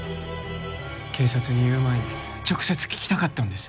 警察に言う前に直接聞きたかったんです。